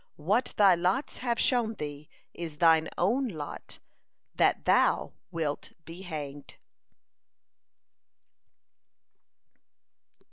What thy lots have shown thee is thine own lot, that thou wilt be hanged."